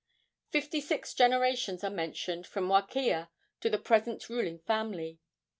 Fifty six generations are mentioned from Wakea to the present ruling family.